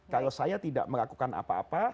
kalau saya tidak melakukan apa apa